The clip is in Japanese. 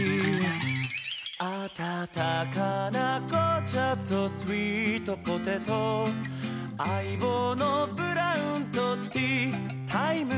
「あたたかな紅茶と」「スイートポテト」「相棒のブラウンと」「ティータイム」